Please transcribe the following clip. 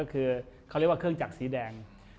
คือเครื่องดับสีแดง